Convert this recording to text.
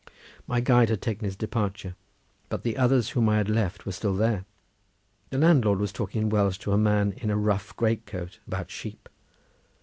My guide had taken his departure, but the others whom I had left were still there. The landlord was talking in Welsh to a man in a rough great coat about sheep.